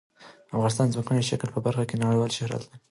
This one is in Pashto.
افغانستان د ځمکنی شکل په برخه کې نړیوال شهرت لري.